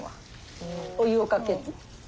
お湯をかける。